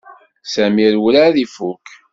Samir werɛad ifuk.